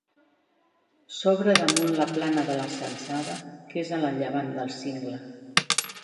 S'obre damunt la plana de la Censada, que és a llevant del cingle.